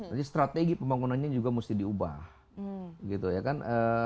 jadi strategi pembangunannya juga mesti diubah gitu ya kan